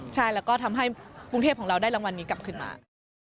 ใช่แล้วก็ทำให้กรุงเทพของเราได้รางวัลนี้กลับขึ้นมา